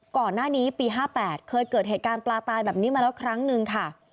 ก่อนหน้านี้ปี๕๘เคยเกิดเหตุการณ์ปลาตายแบบนี้มาแล้วครั้งนึงค่ะ